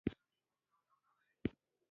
د ایران ټولنیز ژوند بدلون موندلی.